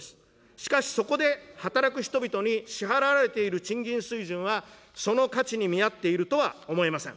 しかしそこで働く人々に支払われている賃金水準は、その価値に見合っているとは思えません。